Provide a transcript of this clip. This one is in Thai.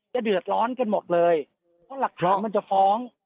เดือดร้อนกันหมดเลยเพราะหลักฐานมันจะฟ้อง